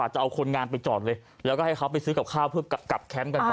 จะเอาคนงานไปจอดเลยแล้วก็ให้เขาไปซื้อกับข้าวเพื่อกลับแคมป์กันไป